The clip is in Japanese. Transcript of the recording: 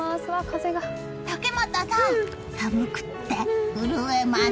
竹俣さん、寒くて震えます。